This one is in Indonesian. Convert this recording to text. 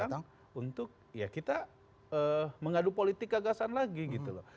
akan datang untuk ya kita mengadu politik keagasan lagi gitu loh